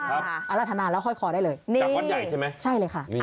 รัฐนาแล้วห้อยคอได้เลยจากวัดใหญ่ใช่ไหมใช่เลยค่ะ